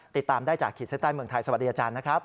ติดตามได้จากขีดเส้นใต้เมืองไทยสวัสดีอาจารย์นะครับ